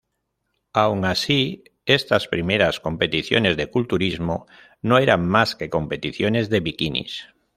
Aun así, estas primeras competiciones de "culturismo" no eran más que competiciones de bikinis.